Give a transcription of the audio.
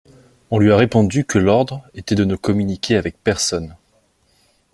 On lui a répondu que l'ordre était de ne communiquer avec personne.